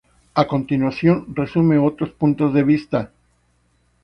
A continuación, resume otros puntos de vista.